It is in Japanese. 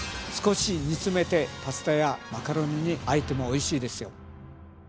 少し煮詰めてパスタやマカロニにあえてもおいしいですよ。